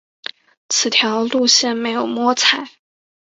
此条路线没有摸彩